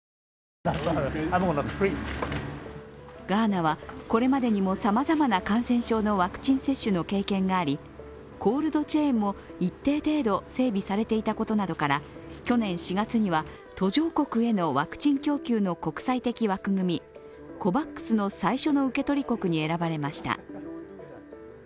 ガーナには、これまでにもさまざまな感染者のワクチン接種の経験があり、コールドチェーンも一定程度整備されていたことなどから去年４月には途上国へのワクチン供給の国際的枠組みＣＯＶＡＸの最初の受け取り国に選ばれました。